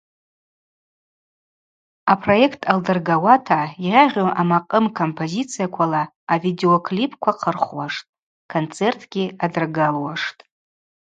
Апроект алдыргауата йагъьу амакъым композицияквала авидеоклипква хъырхуаштӏ, концертгьи адыргалуаштӏ.